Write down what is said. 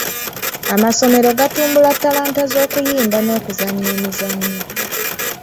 Amasomero gatumbula talanta z'okuyimba n'okuzannya emizannyo.